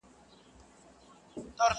چي زما پښو ته یې ځینځیر جوړ کړ ته نه وې!!